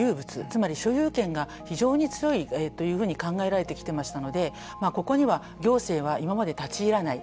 つまり所有権が非常に強いというふうに考えられてきましたのでここには行政は今まで立ち入らない。